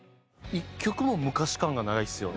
１曲も昔感がないですよね。